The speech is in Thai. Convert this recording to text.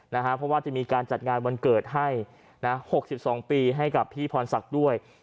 เพราะว่าจะมีการจัดงานวันเกิดให้๖๒ปีให้กับพี่พรศักดิ์ด้วย